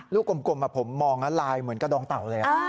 กลมผมมองแล้วลายเหมือนกระดองเต่าเลย